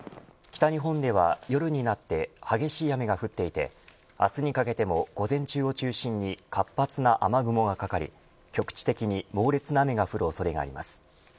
北日本では夜になって激しい雨が降っていて明日にかけても午前中を中心に活発な雨雲がかかり局地的に猛烈な雨が降る恐れがあります。